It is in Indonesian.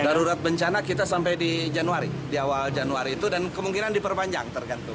darurat bencana kita sampai di januari di awal januari itu dan kemungkinan diperpanjang tergantung